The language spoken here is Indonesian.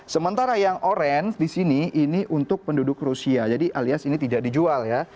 sementara yang orange di sini ini untuk penduduk rusia jadi alias ini tidak dijual ya